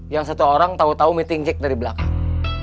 yang satu orang tau tau meeting jack dari belakang